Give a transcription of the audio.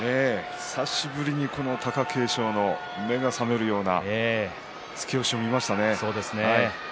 久しぶりに貴景勝の目が覚めるような突き押しを見ましたね。